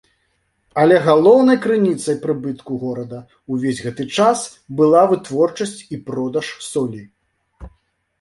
Але галоўнай крыніцай прыбытку горада ўвесь гэты час была вытворчасць і продаж солі.